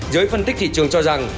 giới phân tích thị trường cho rằng